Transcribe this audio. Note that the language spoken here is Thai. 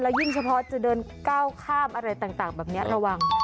ยิ่งเฉพาะจะเดินก้าวข้ามอะไรต่างแบบนี้ระวัง